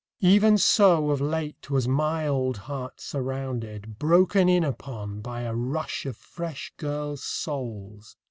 Even so of late was my old heart surrounded, broken in upon by a rush of fresh girls' souls